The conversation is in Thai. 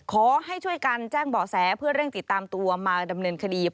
ขอให้ช่วยกันแจ้งเบาะแสเพื่อเร่งติดตามตัวมาดำเนินคดี